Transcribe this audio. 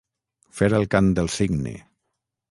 Fer el cant del cigne.